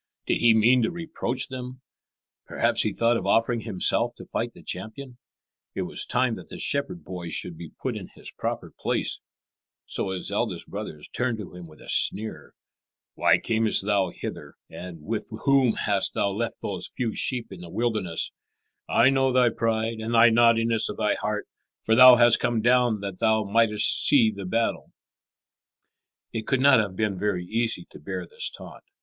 Did he mean to reproach them? Perhaps he thought of offering himself to fight the champion. It was time that this shepherd boy should be put in his proper place. So his eldest brother turned to him with a sneer. [Illustration: While he kept his father's sheep he had often to defend them from wild beasts.] "Why camest thou hither?" he asked. "And with whom hast thou left those few sheep in the wilderness? I know thy pride and the naughtiness of thy heart, for thou hast come down that thou mightest see the battle." It could not have been very easy to bear this taunt.